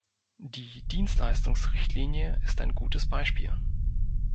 Die Dienstleistungsrichtlinie ist ein gutes Beispiel.